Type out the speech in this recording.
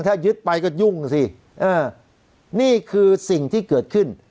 ถ้ายึดไปก็ยุ่งสินี่คือสิ่งที่เกิดขึ้น